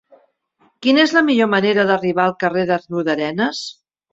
Quina és la millor manera d'arribar al carrer de Riudarenes?